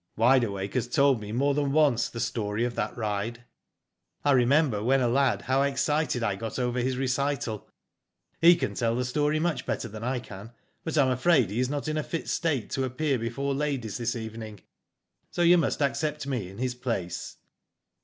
"Wide Awake has told me more than once the story of that ride. *'I remember when a lad, how excited I got over his recital. He can tell the story much better than I can, but Tm afraid he is not in a fit state to appear before ladies this evening, so you must accept me in his place.